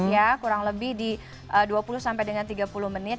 ya kurang lebih di dua puluh sampai dengan tiga puluh menit